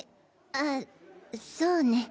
ああそうね。